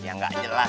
yang ga jelas